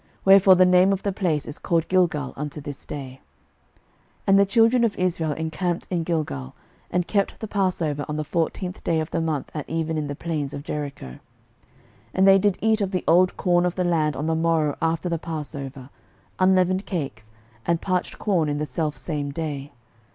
Wherefore the name of the place is called Gilgal unto this day. 06:005:010 And the children of Israel encamped in Gilgal, and kept the passover on the fourteenth day of the month at even in the plains of Jericho. 06:005:011 And they did eat of the old corn of the land on the morrow after the passover, unleavened cakes, and parched corn in the selfsame day.